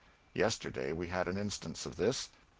Yesterday we had an instance of this.